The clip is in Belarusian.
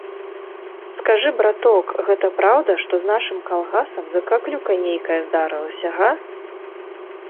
Скажы, браток, гэта праўда, што з нашым калгасам закаклюка нейкая здарылася, га?